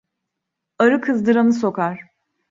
Arı kızdıranı sokar.